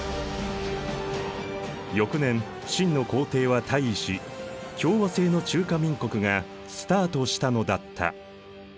翌年清の皇帝は退位し共和政の中華民国がスタートしたのだった。